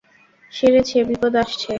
সেরেছে, বিপদ আসছে।